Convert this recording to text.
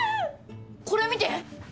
これ見て！